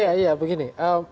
ya ya begini